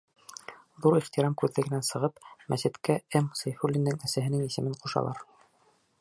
Ҙур ихтирам күҙлегенән сығып, мәсеткә М. Сәйфуллиндың әсәһенең исемен ҡушалар.